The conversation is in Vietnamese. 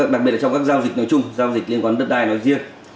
đặc biệt là trong các giao dịch nói chung giao dịch liên quan đến đất đai nói riêng